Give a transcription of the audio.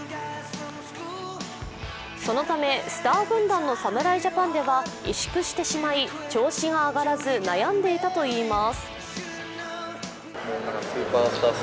そのためスター軍団の侍ジャパンでは萎縮してしまい調子が上がらず悩んでいたといいます。